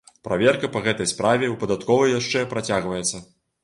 Праверка па гэтай справе ў падатковай яшчэ працягваецца.